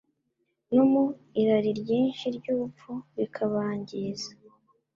no mu “irari ryinshi ry’ubupfu rikabangiza.